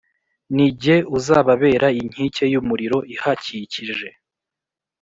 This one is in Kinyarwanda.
Ni jye uzababera inkike y umuriro ihakikije